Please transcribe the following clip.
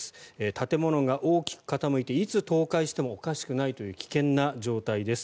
建物が大きく傾いていつ倒壊してもおかしくないという危険な状態です。